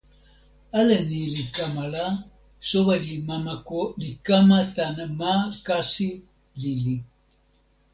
ale ni li kama la, soweli Mamako li kama tan ma kasi lili.